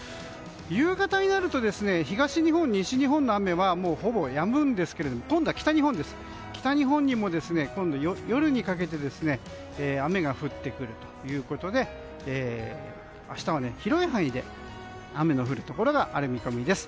夕方になると東日本、西日本の雨はほぼやむんですけれども、今度は北日本にも夜にかけて雨が降ってくるということで明日は広い範囲で雨の降るところがある見込みです。